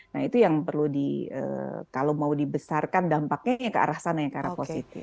nah itu yang perlu di kalau mau dibesarkan dampaknya ya ke arah sana yang ke arah positif